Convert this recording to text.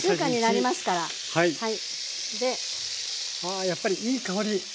あやっぱりいい香り。